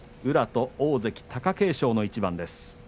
宇良と大関貴景勝の一番です。